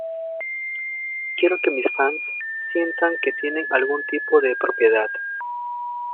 Quiero que mis fans sientan que tienen algún tipo de propiedad.